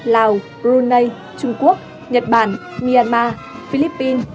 lào brunei trung quốc nhật bản myanmar philippines